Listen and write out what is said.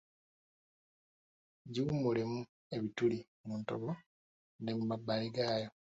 Giwumulemu ebituli mu ntobo ne mu mabbali gayo